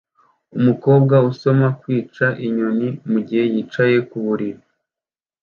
Umukobwa usoma "Kwica Inyoni" mugihe yicaye ku buriri